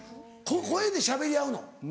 声でしゃべり合うの？